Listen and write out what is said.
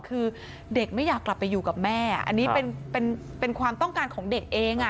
คือเด็กไม่อยากกลับไปอยู่กับแม่อันนี้เป็นความต้องการของเด็กเอง